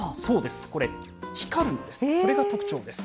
これ、光るんです。